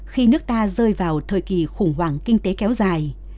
khi nước ta rơi vào thời kỳ khủng hoảng kinh tế kéo dài